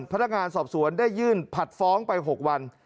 พนักงานสอบสวนได้ยื่นผัดฟ้องไป๖วัน